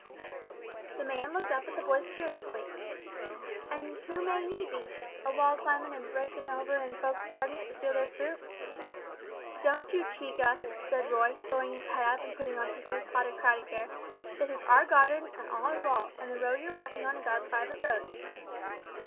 The man looked up at the boys curiously. "And who may ye be, a wall climbin' and a breakin' over in folks' gardens to steal their fruit?" "Don't you cheek us," said Roy, throwing his head up, and putting on his most autocratic air; "this is our garden and our wall, and the road you're walking on is our private road!"